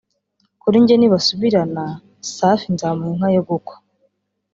Kuri njye nibasubirana Safi nzamuha inka yo gukwa